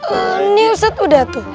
ini ustadz udah tuh